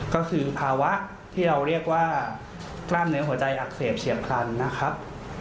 ก็คือภาวะที่เราเรียกว่ากล้ามเนื้อหัวใจอักเสบเฉียบพลันนะครับ